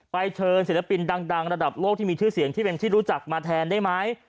เชิญศิลปินดังระดับโลกที่มีชื่อเสียงที่เป็นที่รู้จักมาแทนได้ไหม